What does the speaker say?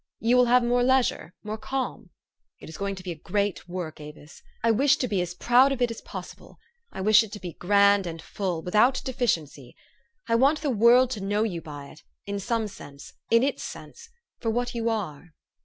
" You will have more lei sure, more calm. It is going to be a great work, Avis. I wish to be as proud of it as possible. I wish it to be grand and full, without deficiency. I want the world to know you by it, in some sense, in its sense, for what you are."